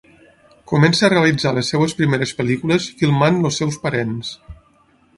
Comença a realitzar les seves primeres pel·lícules filmant els seus parents.